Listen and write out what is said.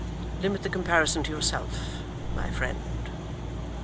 Limit the comparison to yourself, my friend.